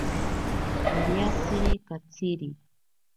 Oriatsiri katsiri.